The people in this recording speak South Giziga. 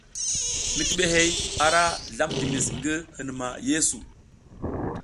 Mitibihey ara zlam dimis ngi hinuma yeesu.